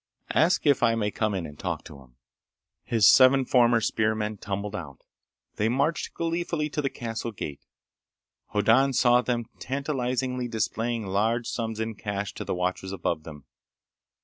Ask if I may come and talk to him." His seven former spearmen tumbled out. They marched gleefully to the castle gate. Hoddan saw them tantalizingly displaying large sums in cash to the watchers above them.